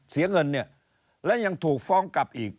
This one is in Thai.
เสียเงินเนี่ยและยังถูกฟ้องกลับอีก